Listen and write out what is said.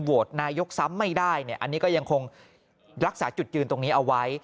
โหวตนายกซ้ำไม่ได้เนี่ยอันนี้ก็ยังคงรักษาจุดยืนตรงนี้เอาไว้